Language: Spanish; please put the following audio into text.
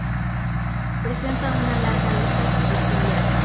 Presenta una larga lista superciliar.